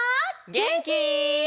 げんき？